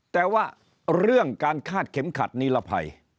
แต่ว่าเรื่องการคาดเข็มขัดนิรภัย